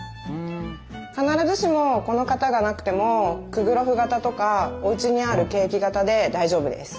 必ずしもこの型がなくてもクグロフ型とかおうちにあるケーキ型で大丈夫です。